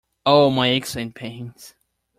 Oh, my aches and pains!